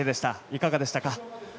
いかがでしたか？